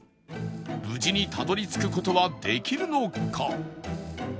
無事にたどり着く事はできるのか？